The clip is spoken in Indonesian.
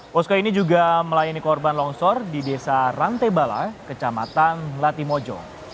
posko ini juga melayani korban longsor di desa rantebala kecamatan latimojo